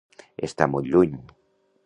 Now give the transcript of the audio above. Estar molt lluny.